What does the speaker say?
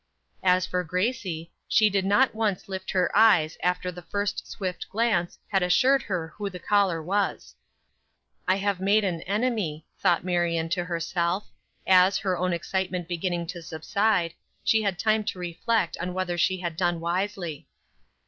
As for Gracie, she did not once lift her eyes after the first swift glance had assured her who the caller was. "I have made an enemy," thought Marion to herself, as, her own excitement beginning to subside, she had time to reflect on whether she had done wisely.